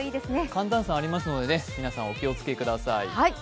寒暖差ありますので、皆さんお気をつけください。